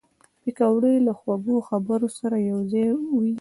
پکورې له خوږو خبرو سره یوځای وي